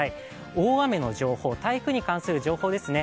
大雨の情報、台風に関する情報ですね